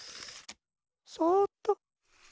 そっと。